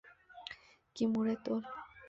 Kimura et al.